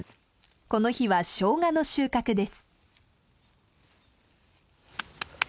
この日はショウガの収穫です。